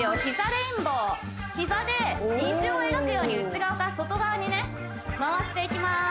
レインボー膝で虹を描くように内側から外側にね回していきます